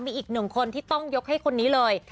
มีอีกหนึ่งคนที่ต้องยกให้คนนี้เลย